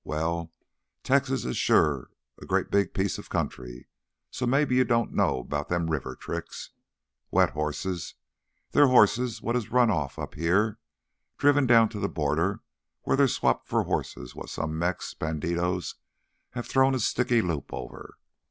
"Well, Texas sure is a great big piece o' country, so maybe you don't know 'bout them river tricks. Wet hosses—they's hosses what is run off up here, driven down to th' border where they's swapped for hosses what some Mex bandidos have thrown a sticky loop over.